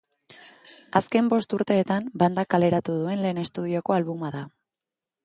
Azken bost urteetan bandak kaleratu duen lehen estudioko albuma da.